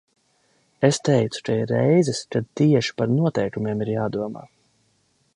Es teicu, ka ir reizes, kad tieši par noteikumiem ir jādomā.